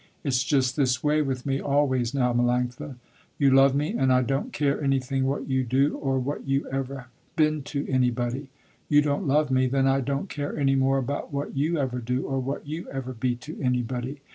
It's just this way with me always now Melanctha. You love me, and I don't care anything what you do or what you ever been to anybody. You don't love me, then I don't care any more about what you ever do or what you ever be to anybody.